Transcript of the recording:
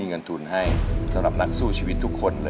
อย่ายอมแพ้